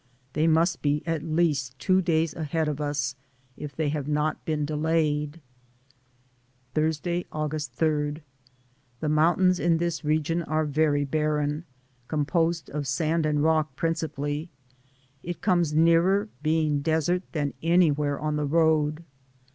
They must be at least two days ahead of us, if they have not been delayed. Thursday, August 3. The mountains in this region are very bar ren, composed of sand and rock, principally. 190 DAYS ON THE ROAD. It comes nearer being desert than anywhere on the road.